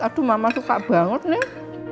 aduh mama suka banget nih